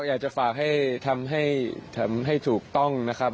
อยากจะฝากให้ทำให้ถูกต้องนะครับ